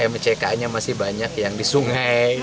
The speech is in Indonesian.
mck nya masih banyak yang di sungai